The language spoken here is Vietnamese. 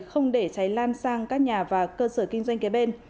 không để cháy lan sang các nhà và cơ sở kinh doanh kế bên